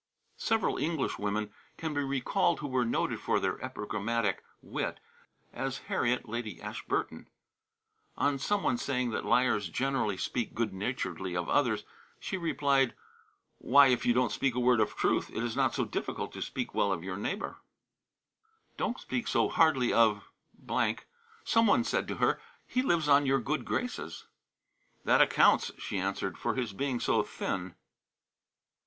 Several Englishwomen can be recalled who were noted for their epigrammatic wit: as Harriet, Lady Ashburton. On some one saying that liars generally speak good naturedly of others, she replied: "Why, if you don't speak a word of truth, it is not so difficult to speak well of your neighbor." "Don't speak so hardly of ," some one said to her; "he lives on your good graces." "That accounts," she answered, "for his being so thin."